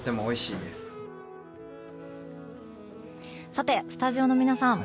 さて、スタジオの皆さん。